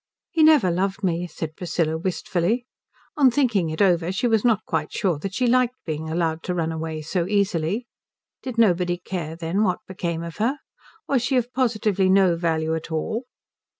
"He never loved me," said Priscilla, wistfully. On thinking it over she was not quite sure that she liked being allowed to run away so easily. Did nobody care, then, what became of her? Was she of positively no value at all?